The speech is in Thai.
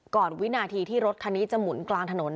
วินาทีที่รถคันนี้จะหมุนกลางถนน